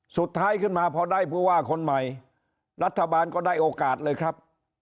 สุดท้ายขึ้นมาพอได้ผู้ว่าคนใหม่รัฐบาลก็ได้โอกาสเลยครับ